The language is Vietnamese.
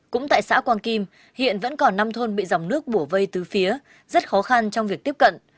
cũng tại xã quang kim hiện vẫn còn năm thôn bị dòng nước bổ vây từ phía rất khó khăn trong việc tiếp cận